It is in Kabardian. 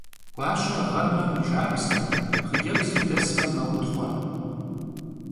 Guaşer ğerme, mejjabze, xhıcebzır desme, meutxhue.